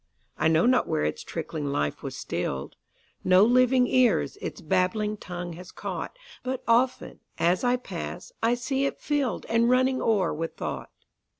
I know not where its trickling life was still'd; No living ears its babbling tongue has caught; But often, as I pass, I see it fill'dAnd running o'er with thought.